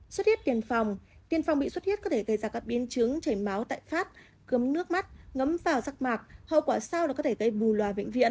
suất huyết tiền phòng tiền phòng bị suất huyết có thể gây ra các biến chứng chảy máu tại phát cướm nước mắt ngấm vào rắc mạc hậu quả sau là có thể gây bù loà vĩnh viễn